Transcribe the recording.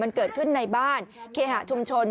มันเกิดขึ้นในบ้านเคหะชุมชน